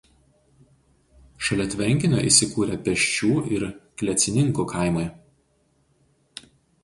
Šalia tvenkinio įsikūrę Pesčių ir Klecininkų kaimai.